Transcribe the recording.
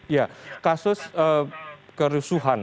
ya kasus kerusuhan